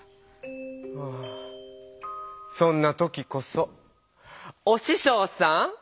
はぁそんな時こそおししょうさん